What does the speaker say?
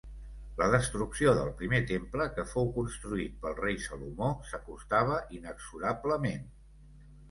La destrucció del Primer Temple, que fou construït pel Rei Salomó, s'acostava inexorablement.